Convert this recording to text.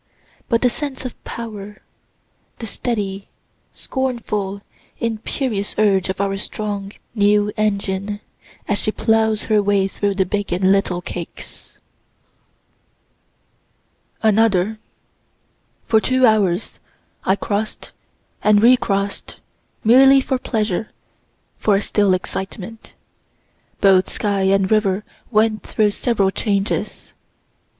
But the sense of power the steady, scornful, imperious urge of our strong new engine, as she ploughs her way through the big and little cakes. Another. For two hours I cross'd and recross'd, merely for pleasure for a still excitement. Both sky and river went through several changes.